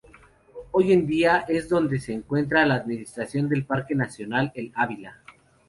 Hoy en día es dónde se encuentra la administración del Parque Nacional El Ávila.